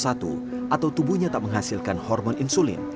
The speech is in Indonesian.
atau tubuhnya tak menghasilkan hormon insulin